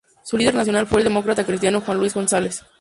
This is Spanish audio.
Su líder nacional fue el demócrata cristiano Juan Luis González.